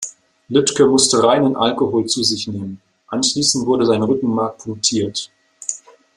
Lüdke musste reinen Alkohol zu sich nehmen; anschließend wurde sein Rückenmark punktiert.